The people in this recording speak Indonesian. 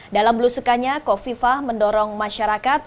dalam belusukannya kofifah mendorong masyarakat